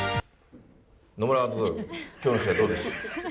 野村監督、きょうの試合、どうでした？